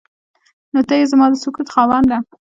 نو ته ای زما د سکوت خاونده.